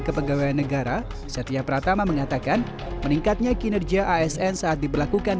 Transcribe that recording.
kepegawaian negara setia pratama mengatakan meningkatnya kinerja asn saat diberlakukan